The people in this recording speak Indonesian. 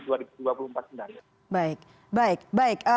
baik baik baik